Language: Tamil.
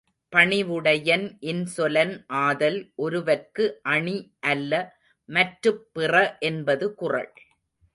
பணிவுடையன் இன்சொலன் ஆதல் ஒருவற்கு அணி அல்ல மற்றுப் பிற என்பது குறள்.